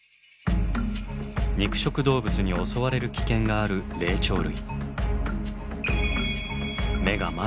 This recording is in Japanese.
肉食動物に襲われる危険がある霊長類。